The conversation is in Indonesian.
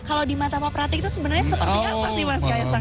kalau di mata pak pratik itu sebenarnya seperti apa sih mas kaisang